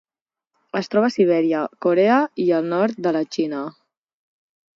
Es troba a Sibèria, Corea i el nord de la Xina.